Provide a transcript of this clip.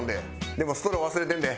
でもストロー忘れてんで。